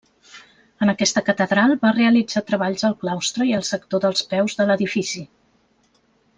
En aquesta catedral va realitzar treballs al claustre i al sector dels peus de l'edifici.